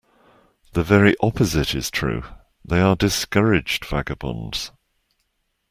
The very opposite is true; they are discouraged vagabonds.